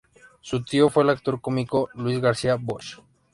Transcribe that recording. Su tío fue el actor cómico Luis García Bosch.